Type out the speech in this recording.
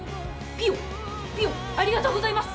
ピヨピヨありがとうございます！